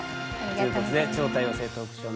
ということで「超多様性トークショー！